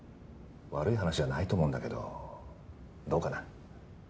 悪い話じゃないと思うんだけどどうかな？